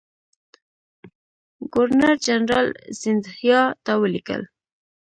ګورنرجنرال سیندهیا ته ولیکل.